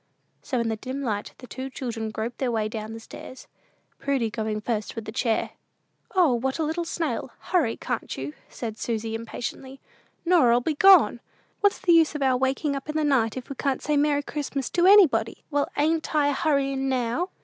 So in the dim light the two children groped their way down stairs, Prudy going first with the chair. "O, what a little snail! Hurry can't you?" said Susy, impatiently; "Norah'll be gone! What's the use of our waking up in the night if we can't say Merry Christmas to anybody?" "Well, ain't I a hurryin' now?"